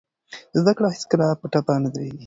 زده کړه هېڅکله په ټپه نه دریږي.